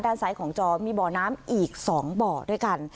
ด้านซ้ายของจอมีเบอน้ำอีก๒เบ่า